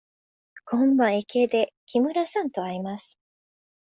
今晩駅で木村さんと会います。